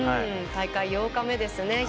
大会８日目ですね。